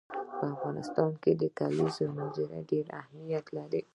په افغانستان کې د کلیزو منظره ډېر اهمیت لري.